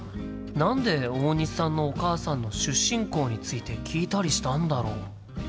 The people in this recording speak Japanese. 何で大西さんのお母さんの出身校について聞いたりしたんだろう？